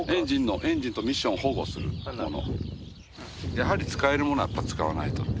やはり使えるものはやっぱり使わないと。